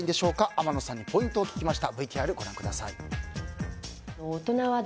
天野さんにポイントを聞きました。